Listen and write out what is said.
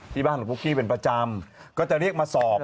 ที่บ้านของปุ๊กกี้เป็นประจำก็จะเรียกมาสอบ